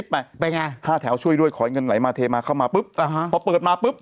ไปไปไงห้าแถวช่วยด้วยขอเงินไหลมาเทมาเข้ามาปุ๊บอ่าฮะพอเปิดมาปุ๊บ